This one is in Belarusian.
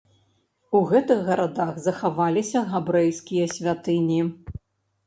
У гэтых гарадах захаваліся габрэйскія святыні.